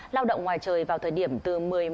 lao động ngoài trời vào thời điểm từ một mươi một